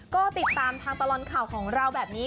ก็ติดตามทางตลอดข่าวของเราแบบนี้